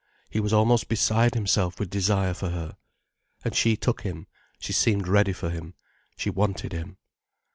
He was almost beside himself with desire for her. And she took him, she seemed ready for him, she wanted him.